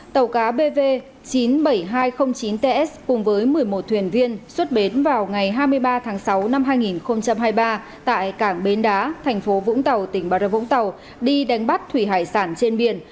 tàu cá bv chín mươi bảy nghìn hai trăm linh chín ts cùng với một mươi một thuyền viên xuất bến vào ngày hai mươi ba tháng sáu năm hai nghìn hai mươi ba tại cảng bến đá thành phố vũng tàu tỉnh bà rập vũng tàu đi đánh bắt thủy hải sản trên biển